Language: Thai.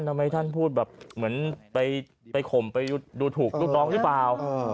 ทำไมท่านพูดแบบเหมือนไปข่มไปดูถูกลูกน้องหรือเปล่า